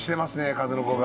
数の子が。